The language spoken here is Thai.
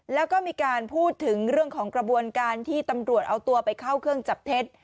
แล้วก็มีการพูดถึงเรื่องของกระบวนการที่ตำรวจเอาตัวไปเข้าเครื่องจับเท็จ